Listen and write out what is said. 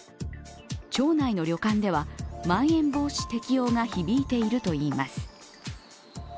町内の旅館では、まん延防止適用が響いているといいます。